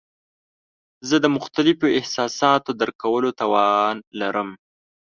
زه د مختلفو احساساتو درک کولو توان لرم.